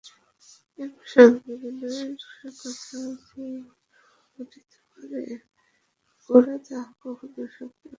এ প্রসঙ্গে বিনয়ের কথা যে উঠিতে পারে গোরা তাহা কখনো স্বপ্নেও ভাবে নাই।